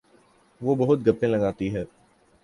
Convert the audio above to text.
وہ بہت گپیں لگاتی ہے